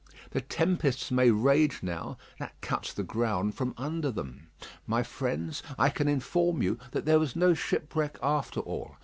The tempests may rage now; that cuts the ground from under them. My friends, I can inform you that there was no shipwreck after all.